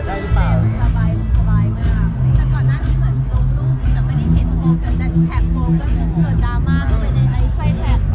แต่แท็กโปรก็เกิดดราม่าไม่ได้ไห้แท็ก